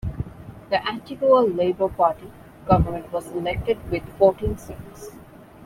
The Antigua Labour Party government was elected with fourteen seats.